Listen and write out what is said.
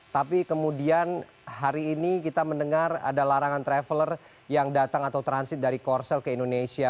tapi kemudian hari ini kita mendengar ada larangan traveler yang datang atau transit dari korsel ke indonesia